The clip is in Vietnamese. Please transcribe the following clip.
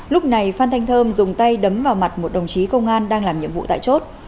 lúc này phan thanh thơm dùng tay đấm vào mặt một đồng chí công an đang làm nhiệm vụ tại chốt